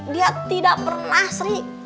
dia tidak pernah sri